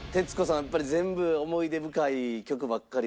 やっぱり全部思い出深い曲ばっかりでしたね。